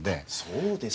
そうですか。